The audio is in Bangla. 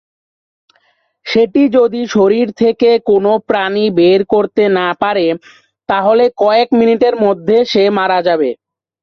সেটি যদি শরীর থেকে কোনো প্রাণী বের না করতে পারে, তাহলে কয়েক মিনিটের মধ্যে সে মারা যাবে।